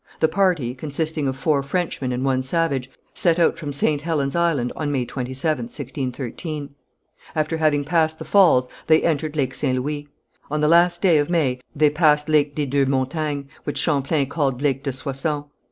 The party, consisting of four Frenchmen and one savage, set out from Ste. Helen's Island on May 27th, 1613. After having passed the falls they entered Lake St. Louis. On the last day of May they passed Lake des Deux Montagnes, which Champlain called Lake de Soissons.